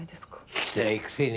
聞きたいくせに。